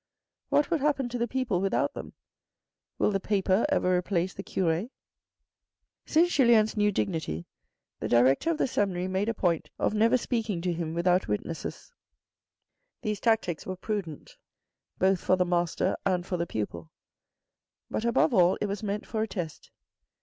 What would happen to the people without them ? Will the paper ever replace the cure ? Since Julien's new dignity, the director of the seminary made a point of never speaking to him without witnesses. These tactics were prudent, both for the master and for the pupil, but above all it was meant for a test.